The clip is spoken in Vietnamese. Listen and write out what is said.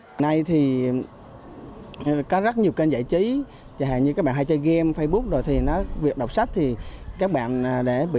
hôm nay thì có rất nhiều kênh giải trí chẳng hạn như các bạn hay chơi game facebook rồi thì nói việc đọc sách thì các bạn để bị